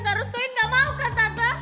gak harus suin gak mau kan tante